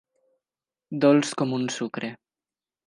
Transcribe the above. Dolç com un sucre.